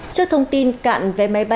trước thông tin cạn vé máy bán